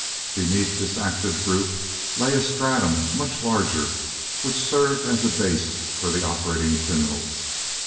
Beneath this active group lay a stratum much larger which served as a base for the operating criminals.